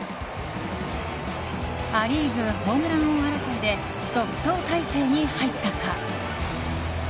ア・リーグホームラン王争いで独走態勢に入ったか。